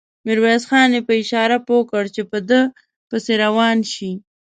ميرويس خان يې په اشاره پوه کړ چې په ده پسې روان شي.